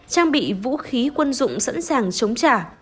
trang bị vũ khí quân dụng sẵn sàng chống trả